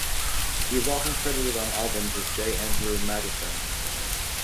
He is often credited on albums as "J. Andrew Magoffin".